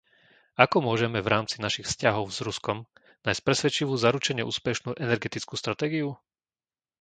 Ako môžeme v rámci našich vzťahov s Ruskom nájsť presvedčivú zaručene úspešnú energetickú stratégiu?